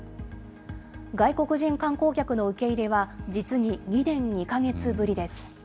外国人観光客の受け入れは、実に２年２か月ぶりです。